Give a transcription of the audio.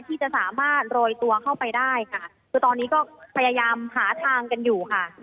ที่จะสามารถโรยตัวเข้าไปได้ค่ะคือตอนนี้ก็พยายามหาทางกันอยู่ค่ะ